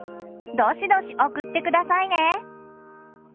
どしどし送って下さいね。